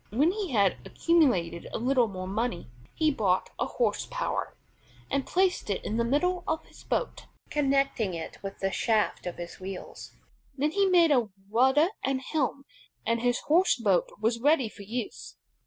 When he had accumulated a little more money, he bought a horse power, and placed it in the middle of his boat, connecting it with the shaft of his wheels. Then he made a rudder and helm, and his horse boat was ready for use.